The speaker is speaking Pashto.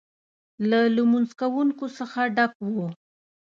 له لمونځ کوونکو څخه ډک و.